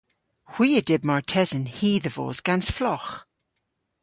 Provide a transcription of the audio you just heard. Hwi a dyb martesen hi dhe vos gans flogh.